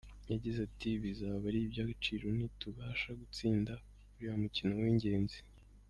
Yagize ati “Bizaba ari iby’agaciro nitubasha gutsinda uriya mukino w’ingenzi.